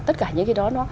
tất cả những cái đó